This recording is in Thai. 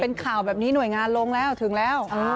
เป็นข่าวแบบนี้หน่วยงานลงแล้วถึงแล้ว